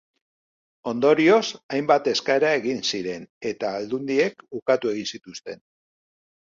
Ondorioz, hainbat eskaera egin ziren, eta aldundiek ukatu egin zituzten.